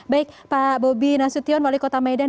baik pak bobi nasution wali kota medan